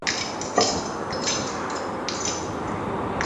以下均为当地时间为准。